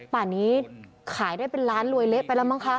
ป่านนี้ขายได้เป็นล้านรวยเละไปแล้วมั้งคะ